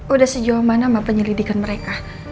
udah sejauh mana penyelidikan mereka